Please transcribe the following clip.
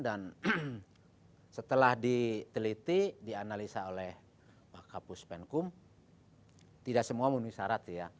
dan setelah diteliti dianalisa oleh pak kapus penkum tidak semua memiliki syarat